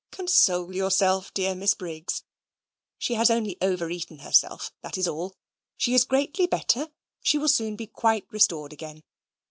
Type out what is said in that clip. Console yourself, dear Miss Briggs. She has only overeaten herself that is all. She is greatly better. She will soon be quite restored again.